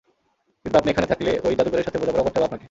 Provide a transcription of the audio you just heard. কিন্তু আপনি এখানে থাকলে, ঐ জাদুকরের সাথে বোঝাপড়া করতে হবে আপনাকে।